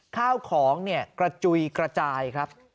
ข้าวของเนี่ยกระจุยกระจายครับ